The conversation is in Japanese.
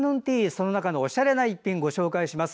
その中のおしゃれな一品をご紹介します。